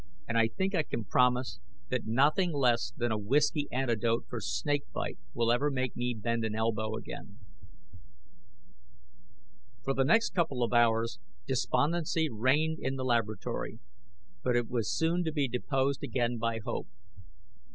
"And I think I can promise that nothing less than a whiskey antidote for snake bite will ever make me bend an elbow again!" For the next couple of hours, despondency reigned in the laboratory. But it was soon to be deposed again by hope.